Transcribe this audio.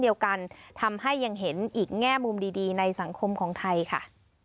ทำให้ยังเห็นอีกแง่มุมดีในสังคมของไทยค่ะ